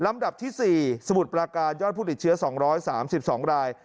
ดับที่๔สมุทรปราการยอดผู้ติดเชื้อ๒๓๒ราย